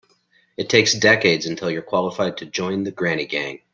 It takes decades until you're qualified to join the granny gang.